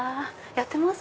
やってます。